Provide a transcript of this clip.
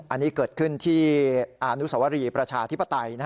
อันนี้เกิดขึ้นที่อนุสวรีประชาธิปไตย